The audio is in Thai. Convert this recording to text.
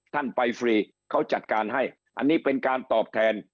ท่านไปฟรีเขาจัดการให้อันนี้เป็นการตอบแทน